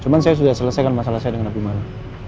cuman saya sudah selesaikan masalah saya dengan abimana